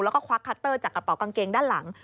แล้วก็ควักคัตเตอร์จากกระเป๋ากางเกงด้านหลัง